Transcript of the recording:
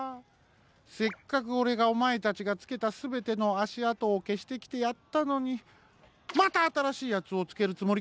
せっかくオレがおまえたちがつけたすべてのあしあとをけしてきてやったのにまたあたらしいやつをつけるつもりか？